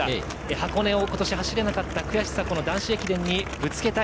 箱根を今年走れなかった悔しさを男子駅伝にぶつけたい。